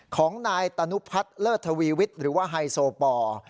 ของนายตนุพัฒน์เลิศทวีวิทย์หรือว่าไฮโซปอร์